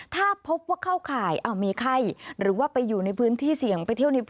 ถ้าพบว่าเข้าข่ายมีไข้หรือว่าไปอยู่ในพื้นที่เสี่ยง